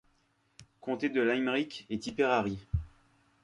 Comtés de Limerick et Tipperary.